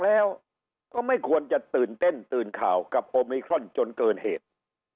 แล้วก็ไม่ควรจะตื่นเต้นตื่นข่าวกับโอมิครอนจนเกินเหตุ